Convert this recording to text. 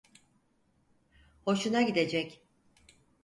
Hoşuna gidecek.